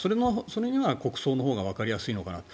それには国葬のほうがわかりやすいのかなと。